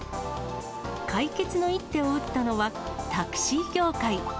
解決の一手を打ったのは、タクシー業界。